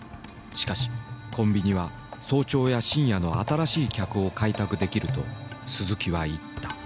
しかし「コンビニは早朝や深夜の新しい客を開拓できる」と鈴木は言った。